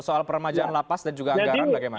soal peremajaan lapas dan juga anggaran bagaimana